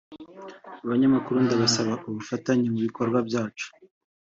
Abanyamakuru ndabasaba ubufatanye mu bikorwa byacu